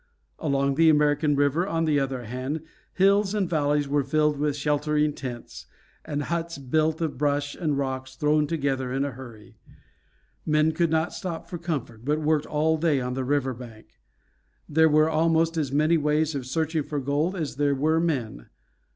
Along the American River, on the other hand, hills and valleys were filled with sheltering tents, and huts built of brush and rocks thrown together in a hurry. Men could not stop for comfort, but worked all day on the river bank. There were almost as many ways of searching for the gold as there were men.